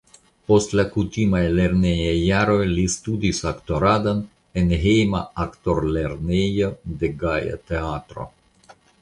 Post la kutimaj lernejaj jaroj li studis aktoradon en hejma aktorlernejo de Gaja Teatro.